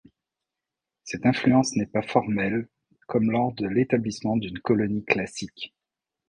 Cette influence n'est pas formelle comme lors de l’établissement d'une colonie classique.